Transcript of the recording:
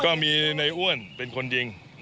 ก็มีในอ้วนเป็นคนยิง